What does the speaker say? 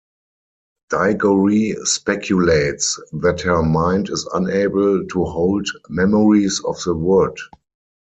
Digory speculates that her mind is unable to hold memories of the Wood.